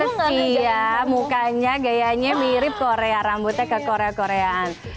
pantes sih ya mukanya gayanya mirip korea rambutnya ke korea koreaan